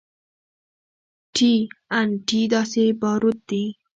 ټي ان ټي داسې باروت دي.